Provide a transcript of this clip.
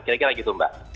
kira kira gitu mbak